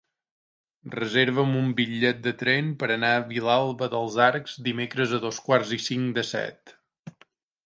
Reserva'm un bitllet de tren per anar a Vilalba dels Arcs dimecres a dos quarts i cinc de set.